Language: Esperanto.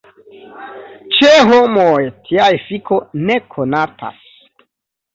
Ĉe homoj tia efiko ne konatas.